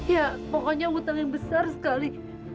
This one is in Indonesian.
ya pokoknya hutan yang besar sekali